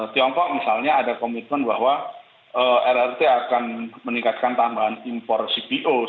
tiongkok misalnya ada komitmen bahwa rrt akan meningkatkan tambahan impor cpo